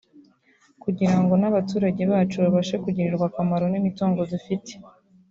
kugira ngo n’abaturage bacu babashe kugirirwa akamaro n’imitungo dufite